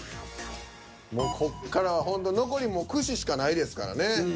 もうこっからはほんと残りもう串しかないですからね。